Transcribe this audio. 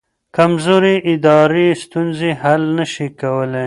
کمزوري ادارې ستونزې حل نه شي کولی.